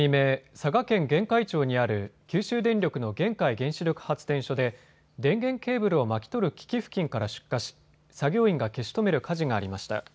佐賀県玄海町にある九州電力の玄海原子力発電所で電源ケーブルを巻き取る機器付近から出火し、作業員が消し止める火事がありました。